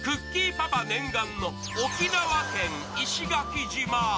パパ念願の沖縄県石垣島。